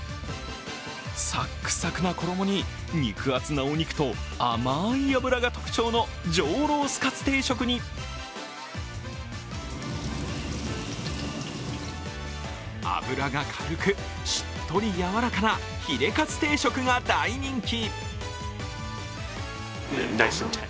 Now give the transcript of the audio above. サックサクな衣に肉厚なお肉と甘い脂が特徴の上ロースカツ定食に油が軽く、しっとり柔らかなヒレカツ定食が大人気。